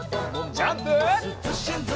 ジャンプ！